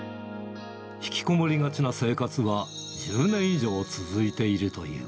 引きこもりがちな生活は１０年以上続いているという。